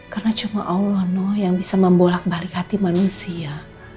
karena cuma allah noh yang bisa membolak balik hati manusia